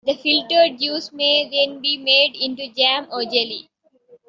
The filtered juice may then be made into jam or jelly.